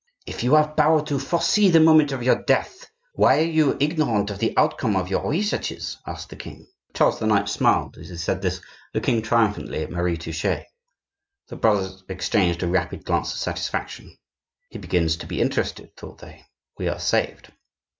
"If you have power to foresee the moment of your death, why are you ignorant of the outcome of your researches?" asked the king. Charles IX. smiled as he said this, looking triumphantly at Marie Touchet. The brothers exchanged a rapid glance of satisfaction. "He begins to be interested," thought they. "We are saved!"